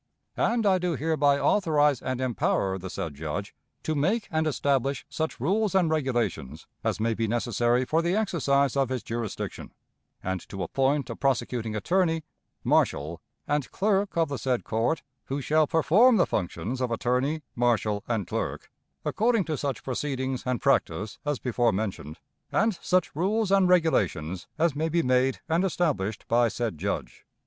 And I do hereby authorize and empower the said judge to make and establish such rules and regulations as may be necessary for the exercise of his jurisdiction, and to appoint a prosecuting attorney, marshal, and clerk of the said court, who shall perform the functions of attorney, marshal, and clerk according to such proceedings and practice as before mentioned, and such rules and regulations as may be made and established by said judge.